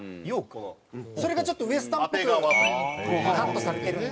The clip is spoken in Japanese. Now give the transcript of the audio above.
それがちょっとウエスタンっぽくカットされてるんで。